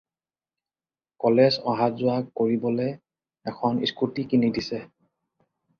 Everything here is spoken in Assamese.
কলেজ অহা-যোৱা কৰিবলে' এখন স্কুটী কিনি দিছে।